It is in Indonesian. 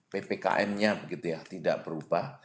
ppkm nya begitu ya tidak berubah